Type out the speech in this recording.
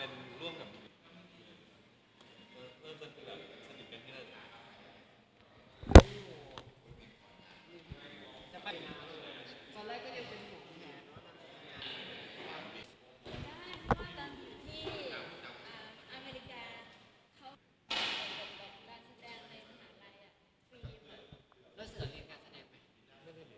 แต่ถ้าเกิดจะไปมีครอบครัวใหม่ในบ้านหลังนี้ไม่ได้เพราะมันเป็นบ้านเกิดของลูกการ๓คน